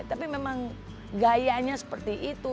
tapi memang gayanya seperti itu